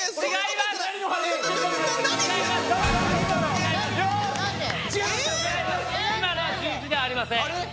今のは十字ではありません。